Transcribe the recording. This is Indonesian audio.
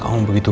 kamu gak tuduh